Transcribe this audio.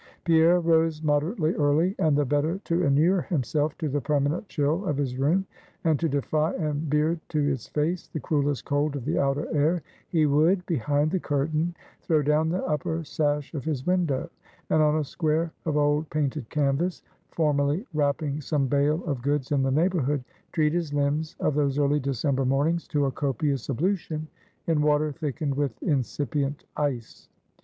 Pierre rose moderately early; and the better to inure himself to the permanent chill of his room, and to defy and beard to its face, the cruelest cold of the outer air; he would behind the curtain throw down the upper sash of his window; and on a square of old painted canvas, formerly wrapping some bale of goods in the neighborhood, treat his limbs, of those early December mornings, to a copious ablution, in water thickened with incipient ice.